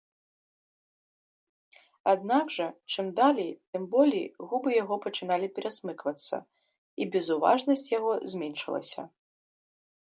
Аднак жа, чым далей, тым болей, губы яго пачыналі перасмыквацца, і безуважнасць яго зменшылася.